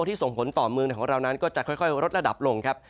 ส่งผลต่อเมืองของเรานั้นก็จะค่อยลดระดับลงครับ